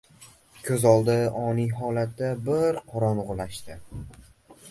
Ko‘z oldi oniy holatda bir qorong‘ulashdi.